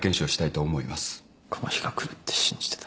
この日が来るって信じてた。